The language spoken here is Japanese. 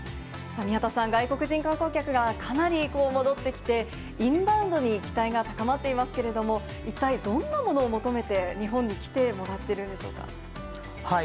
宮田さん、外国人観光客がかなり戻ってきて、インバウンドに期待が高まっていますけれども、一体、どんなものを求めて、日本に来てもらってるんでしょうか。